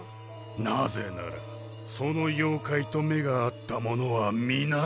なぜならその妖怪と目が合った者は皆。